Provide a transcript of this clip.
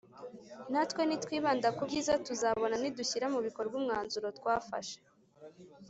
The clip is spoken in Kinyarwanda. Natwe nitwibanda ku byiza tuzabona nidushyira mu bikorwa umwanzuro twafashe